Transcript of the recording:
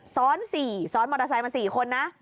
ซ้อน๔ซ้อนมอเตอร์ไซค์มา๔คนนะ